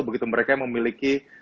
begitu mereka memiliki